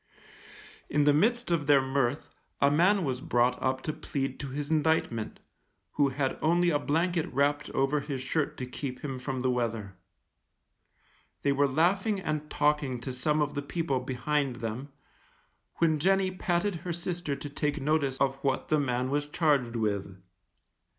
In the midst of their mirth, a man was brought up to plead to his indictment, who had only a blanket wrapped over his shirt to keep him from the weather; they were laughing and talking to some of the people behind them, when Jenny patted her sister to take notice of what the man was charged with.